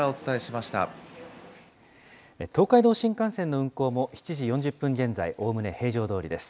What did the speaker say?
東海道新幹線の運行も７時４０分現在、おおむね平常どおりです。